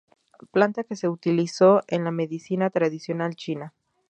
Planta que se utiliza en la medicina tradicional china.